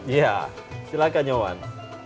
iya silahkan nyoman